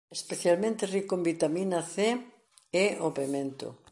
Especialmente rico en vitamina C é o pemento.